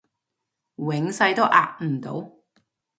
永世都壓唔到